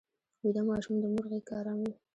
ویده ماشوم د مور غېږ کې ارام وي